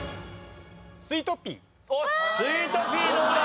スイートピーどうだ？